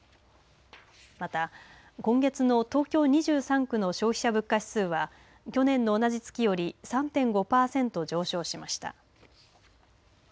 また、今月の東京２３区の消費者物価指数は去年の同じ月より３．５パーセント上昇しました。